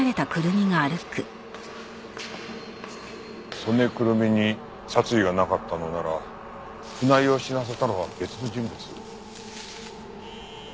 曽根くるみに殺意がなかったのなら船井を死なせたのは別の人物？